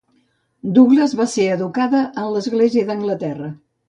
Douglas va ser educada en l'Església d'Anglaterra.